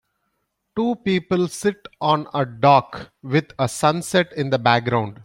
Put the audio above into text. Two people sit on a dock with a sunset in the background.